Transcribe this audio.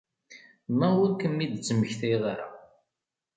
Ma ur kem-id-ttmektayeɣ ara.